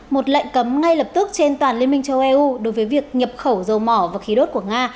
một lệnh cấm ngay lập tức trên toàn liên minh châu âu đối với việc nhập khẩu dầu mỏ và khí đốt của nga